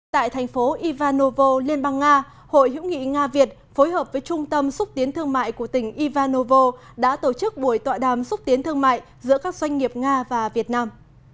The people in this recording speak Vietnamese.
tại thành phố ivanovo liên bang nga hội hữu nghị nga việt phối hợp với trung tâm xúc tiến thương mại của tỉnh ivanovo đã tổ chức buổi tọa đàm xúc tiến thương mại giữa các doanh nghiệp nga và việt nam